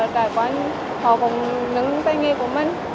tài quan họ cũng nâng tay nghề của mình